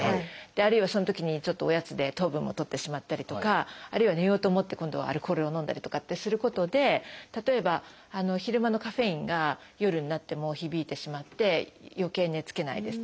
あるいはそのときにちょっとおやつで糖分もとってしまったりとかあるいは寝ようと思って今度はアルコールを飲んだりとかってすることで例えば昼間のカフェインが夜になっても響いてしまってよけい寝つけないですとか